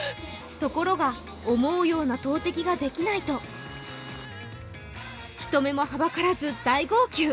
ところが思うような投てきができないと人目もはばからず、大号泣。